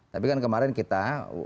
tapi kan kemarin kita